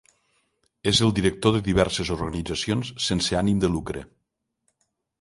És el director de diverses organitzacions sense ànim de lucre.